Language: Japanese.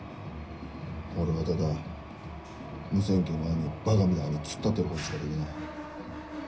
俺はただ無線機の前にバカみたいに突っ立ってることしかできない。